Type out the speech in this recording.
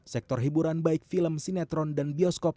sektor hiburan baik film sinetron dan bioskop